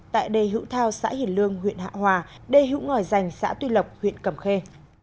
tại đê hữu thao xã hiển lương huyện hạ hòa đê hữu ngòi giành xã tuy lộc huyện cầm khê